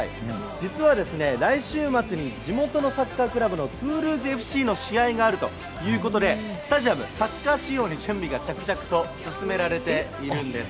実は来週末に地元のトゥールーズＦＣの試合があるということでスタジアムはサッカー仕様で準備が着々と進められています。